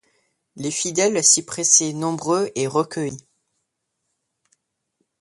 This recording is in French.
Les fidèles s'y pressaient nombreux et recueillis.